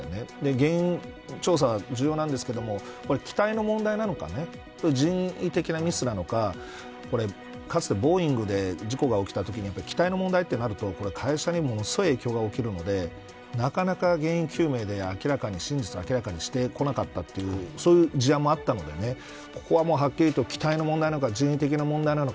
原因調査、重要なんですけど機体の問題なのか人為的なミスなのかかつてボーイングで事故が起きたときに機体の問題となると会社にものすごい影響が起きるのでなかなか原因究明で、真実を明らかにしてこなかったというそういう事案もあったのでここは、はっきりと機体の問題なのか人為的な問題なのか